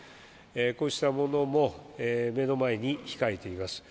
こうしたものも目の前に控えています